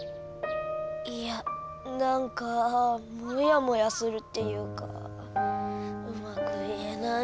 いやなんかモヤモヤするっていうかうまく言えないんだけど。